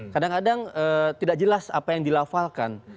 kadang kadang tidak jelas apa yang dilafalkan